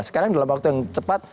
sekarang dalam waktu yang cepat